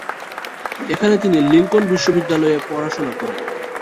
এখানে তিনি লিঙ্কন বিশ্ববিদ্যালয়ে পড়াশোনা করেন।